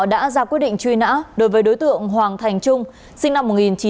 đã ra quyết định truy nã